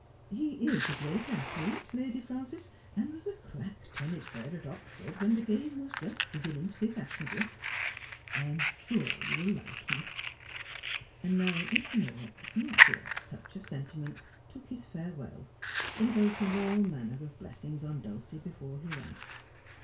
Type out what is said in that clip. He is a great athlete, Lady Frances, and was a crack tennis player at Oxford when the game was just beginning to be fashionable. I am sure you will like him.' And now Mr. Mawk, not without a touch of sentiment, took his farewell, invoking all manner of blessings on Dulcie before he went.